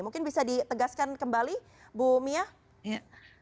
mungkin bisa ditegaskan kembali bumiya